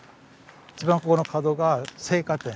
一番ここの角が青果店